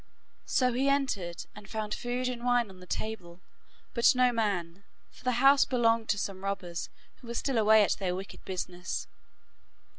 So he entered and found food and wine on the table, but no man, for the house belonged to some robbers, who were still away at their wicked business.